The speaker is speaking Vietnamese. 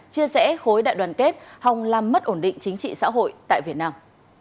chia rẽ khối đại đoàn kết hòng làm mất ổn định chính trị xã hội tại việt nam